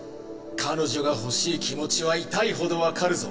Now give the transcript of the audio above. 彼女が欲しい気持ちは痛いほど分かるぞ。